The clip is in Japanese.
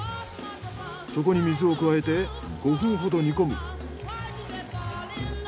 そこに水を加えて５分ほど煮込む。